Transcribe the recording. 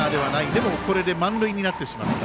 でもこれで満塁になってしまった。